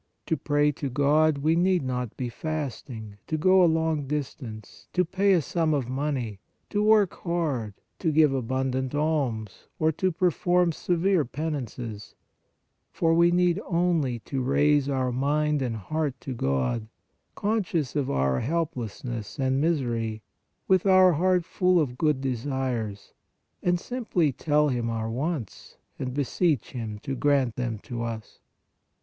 To pray to God, we need not be fasting, to go a long distance, to pay a sum of money, to work hard, to give abundant alms, or to perform severe penances; for we need only to raise our mind and heart to God, conscious of our helplessness and misery, with our heart full of good desires, and simply tell Him our wants, and beseech Him to grant them to us.